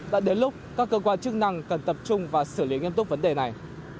đã đến lúc các cơ quan chức năng cần tập trung và xử lý nghiêm túc vấn đề này